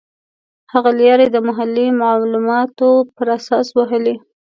هغه لیارې یې د محلي معلوماتو پر اساس وهلې.